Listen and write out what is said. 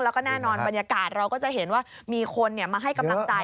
แล้วก็แน่นอนบรรยากาศเราก็จะเห็นว่ามีคนมาให้กำลังใจ